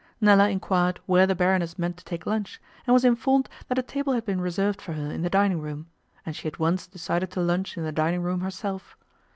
Nella inquired where the Baroness meant to take lunch, and was informed that a table had been reserved for her in the dining room, and she at once decided to lunch in the dining room herself.